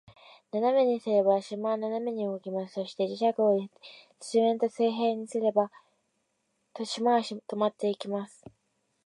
斜めにすれば、島は斜めに動きます。そして、磁石を土面と水平にすれば、島は停まっています。